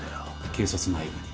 警察内部に。